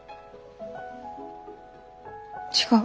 違う。